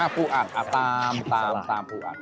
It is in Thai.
ปูอัดตามปูอัด